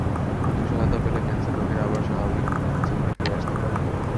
মানসিক সহায়তা পেলে ক্যানসার রোগীরা আবার স্বাভাবিক জীবনে ফিরে আসতে পারেন।